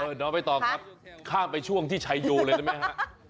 เออน้องไอ้ต่อครับข้ามไปช่วงที่ชัยโยเลยนะแม่ฮะ